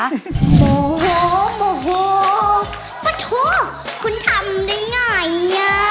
มะโฮมะโฮปะโธคุณทำได้ไงอ่ะ